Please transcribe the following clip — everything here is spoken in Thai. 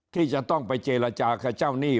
ที่จะต้องไปเจรจากับเจ้าหนี้